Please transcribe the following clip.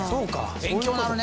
勉強なるね！